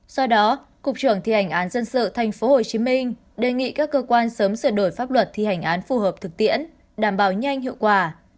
do đó cục trưởng thi hành án dân sự tp hcm đề nghị các cơ quan sớm sửa đổi pháp luật thi hành án phù hợp thực tiễn đảm bảo nhanh hiệu quả